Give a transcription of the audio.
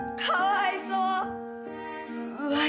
かわいそう